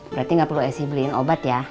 berarti gak perlu esik beliin obat ya